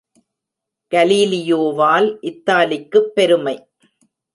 கலீலியோவால் இத்தாலிக்குப் பெருமை!